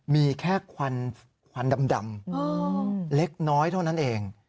มีแค่ควันดำเล็กน้อยเท่านั้นเอง